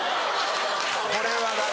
これはダメ。